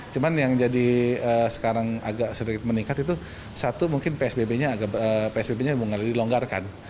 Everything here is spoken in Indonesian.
cuman yang jadi sekarang agak sedikit meningkat itu satu mungkin psbb nya agak dilonggarkan